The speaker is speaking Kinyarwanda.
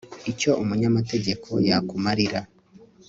icyo umunyamategeko yakumarira